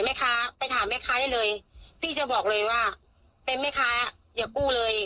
แม่ค้าไปถามแม่ค้าได้เลยพี่จะบอกเลยว่าเป็นแม่ค้าอย่ากู้เลย